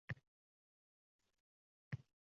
U yogʻiga nimalar qilishni reja bilan xayol surib borardim